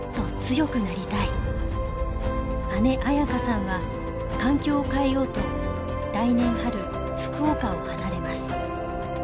姉紋可さんは環境を変えようと来年春福岡を離れます。